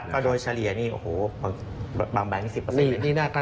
ก็โดยเฉลี่ยนี่โอ้โฮบางแบ่ง๑๐เลยนะ